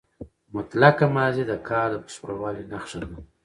مطلقه ماضي د کار د بشپړوالي نخښه ده.